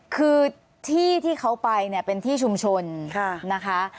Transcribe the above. คือที่ที่เขาไปเนี่ยเป็นที่ชุมชนนะคะ